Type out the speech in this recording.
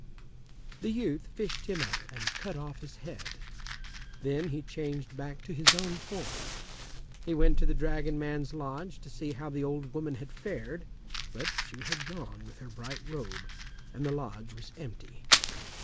The youth fished him up and cut off his head. Then he changed back to his own form. He went to the dragon man's lodge to see how the old woman had fared, but she had gone with her bright robe, and the lodge was empty.